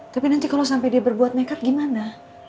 tapi nanti kalo sampe dia berbuat nekat gimana